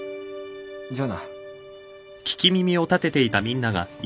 じゃあな。